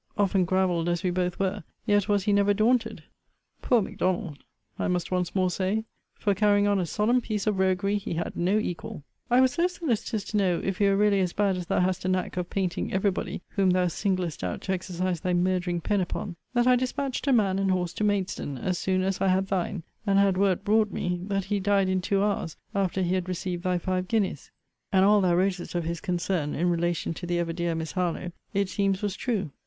Often gravelled, as we both were, yet was he never daunted. Poor M'Donald! I must once more say: for carrying on a solemn piece of roguery, he had no equal. I was so solicitous to know if he were really as bad as thou hast a knack of painting every body whom thou singlest out to exercise thy murdering pen upon, that I dispatched a man and horse to Maidstone, as soon as I had thine; and had word brought me, that he died in two hours after he had received thy five guineas. And all thou wrotest of his concern, in relation to the ever dear Miss Harlowe, it seems was true.